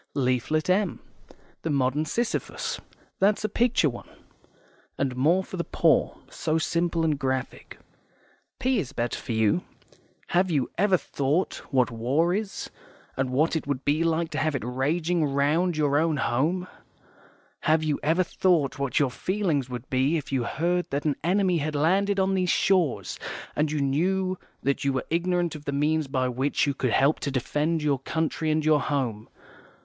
Leaflet M, the Modern Sisyphus that's a picture one, and more for the poor; so simple and graphic. P is better for you. HAVE YOU EVER THOUGHT what war is, and what it would be like to have it raging round your own home? HAVE YOU EVER THOUGHT what your feelings would be if you heard that an enemy had landed on these shores, and you knew that you were ignorant of the means by which you could help to defend your country and your home?